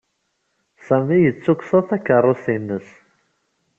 Sami yettuksaḍ takeṛṛust-nnes.